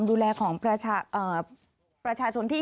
พูดว่าโอ้โหใช้คำนี้เลยแทบจะร้องไห้